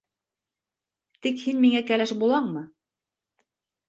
Тик һин миңә кәләш булаңмы?